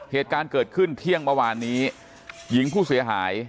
อย่างเมื่อวานนี้หญิงผู้เสียหาย